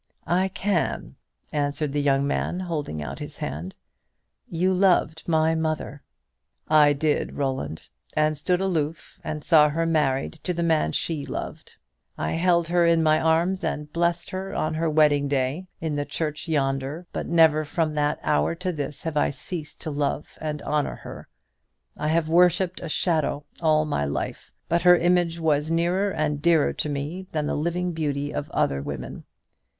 "I can," answered the young man, holding out his hand, "you loved my mother." "I did, Roland, and stood aloof and saw her married to the man she loved. I held her in my arms and blessed her on her wedding day in the church yonder; but never from that hour to this have I ceased to love and honour her. I have worshipped a shadow all my life; but her image was nearer and dearer to me than the living beauty of other women.